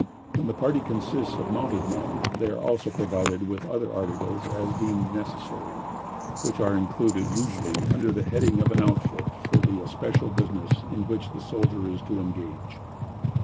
When the party consists of mounted men, they also are provided with such other articles as are deemed necessary, which are included, usually, under the heading of an outfit for the especial business in which the soldier is to engage.